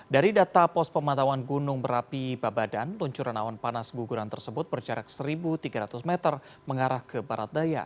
dari data pos pematauan gunung merapi babadan luncuran awan panas guguran tersebut berjarak satu tiga ratus meter mengarah ke barat daya